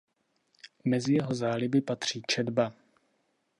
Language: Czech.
Mezi jeho záliby patří četba.